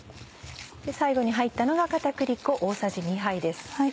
最後に入ったのが片栗粉大さじ２杯です。